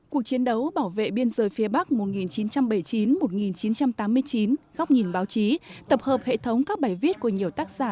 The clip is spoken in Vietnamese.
cuộc chiến đấu bảo vệ biên giới phía bắc một nghìn chín trăm bảy mươi chín một nghìn chín trăm tám mươi chín góc nhìn báo chí tập hợp hệ thống các bài viết của nhiều tác giả